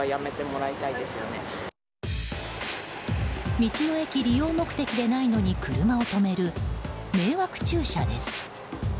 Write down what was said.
道の駅利用目的でないのに車を止める迷惑駐車です。